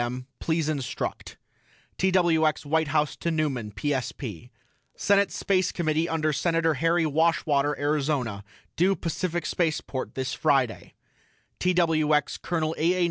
M. PLEASE INSTRUCT TWX WHITE HOUSE TO NEUMAN PSP: SENATE SPACE COMMITTEE UNDER SENATOR HARRY WASHWATER ARIZONA DUE PACIFIC SPACEPORT THIS FRIDAY TWX COL. A. A.